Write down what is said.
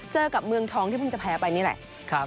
เจอกับเมืองทองที่เพิ่งจะแพ้ไปนี่แหละ